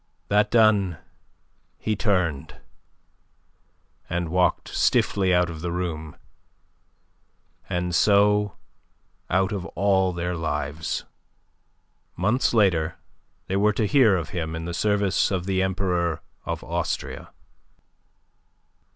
That done he turned and walked stiffly out of the room, and so out of all their lives. Months later they were to hear of him in the service of the Emperor of Austria.